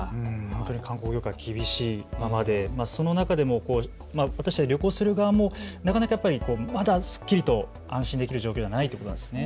本当に観光業界、厳しいままでそんな中でも確かに旅行する側もなかなかまだすっきりと安心できる状況ではないと思いますね。